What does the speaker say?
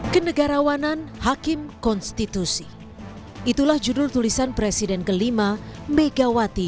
kenegarawanan hakim konstitusi itulah judul tulisan presiden kelima megawati